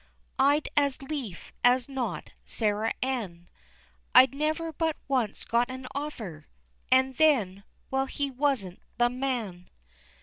I'd as lief as not, Sarah Ann, I never but once got an offer, And then well, he wasn't the man.